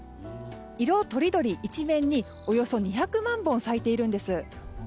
色とりどり一面におよそ２００万本咲いているんです。